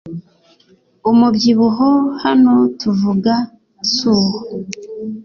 Umubyibuho hano tuvuga suwo